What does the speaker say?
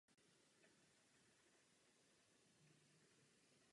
Otázka uvádění oper v originálním jazyce je velice diskutována.